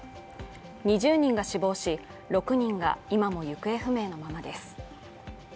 ２０人が死亡し６人が今も行方不明のままです。